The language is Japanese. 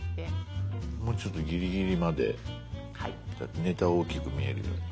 もうちょっとギリギリまでネタを大きく見えるように。